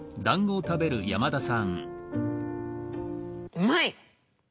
うまい！